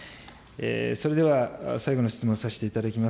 それでは最後の質問させていただきます。